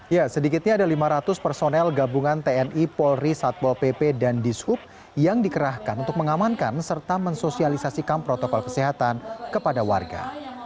ya sedikitnya ada lima ratus personel gabungan tni polri satpol pp dan dishub yang dikerahkan untuk mengamankan serta mensosialisasikan protokol kesehatan kepada warga